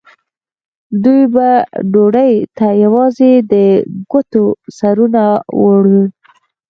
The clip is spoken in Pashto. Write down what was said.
دوی به ډوډۍ ته یوازې د ګوتو سرونه وروړل.